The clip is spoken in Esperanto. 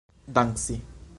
danci